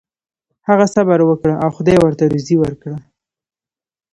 هغه صبر وکړ او خدای ورته روزي ورکړه.